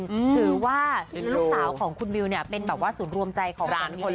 ถือว่าลูกสาวของคุณวิวเนี่ยเป็นแบบว่าศูนย์รวมใจของทุกคน